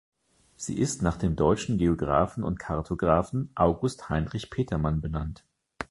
Sie ist nach dem deutschen Geografen und Kartografen August Heinrich Petermann benannt.